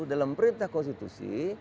dalam perintah konstitusi